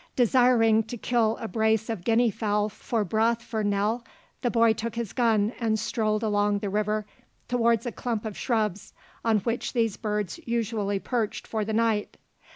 Desiring to kill a brace of guinea fowl for broth for Nell, the boy took his gun and strolled along the river towards a clump of shrubs on which these birds usually perched for the night.